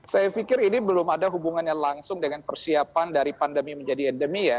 saya pikir ini belum ada hubungannya langsung dengan persiapan dari pandemi menjadi endemi ya